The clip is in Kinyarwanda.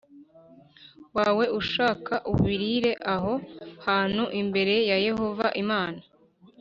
Wawe ushaka ubirire aho hantu imbere ya yehova imana